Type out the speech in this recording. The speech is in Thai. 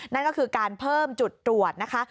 นั่นก็คือการเพิ่มจุดตรวจนะคะ